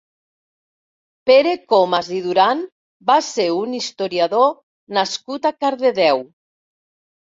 Pere Comas i Duran va ser un historiador nascut a Cardedeu.